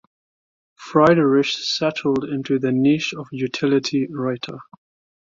Friedrich settled into the niche of utility writer.